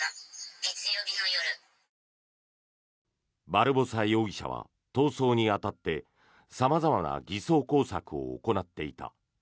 バルボサ容疑者は逃走に当たって様々な偽装工作を行っていた。